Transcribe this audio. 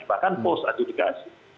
bahkan post adjudikasi